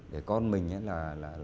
để con mình là